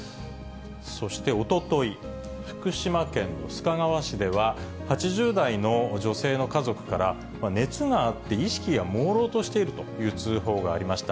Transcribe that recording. そしておととい、福島県の須賀川市では、８０代の女性の家族から、熱があって意識がもうろうとしているという通報がありました。